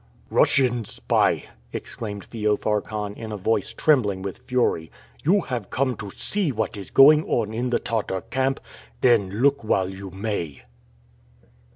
"Russian spy!" exclaimed Feofar Kahn in a voice trembling with fury, "you have come to see what is going on in the Tartar camp. Then look while you may."